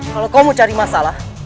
kalau kamu cari masalah